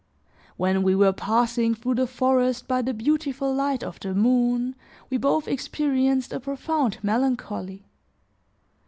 When we were passing through the forest by the beautiful light of the moon, we both experienced a profound melancholy.